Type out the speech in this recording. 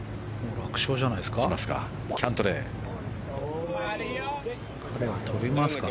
楽勝じゃないですか。